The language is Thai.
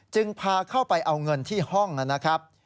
พาเข้าไปเอาเงินที่ห้องนะครับ